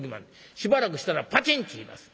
しばらくしたらパチン！といいます。